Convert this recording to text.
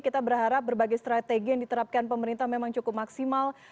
kita berharap berbagai strategi yang diterapkan pemerintah memang cukup maksimal